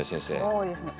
そうですね